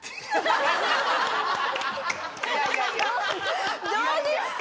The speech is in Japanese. いやいやいやいやいやどうですか？